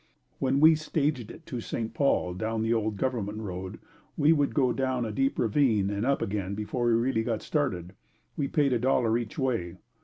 When we staged it to St. Paul down the old Government Road, we would go down a deep ravine and up again before we really got started. We paid a dollar each way.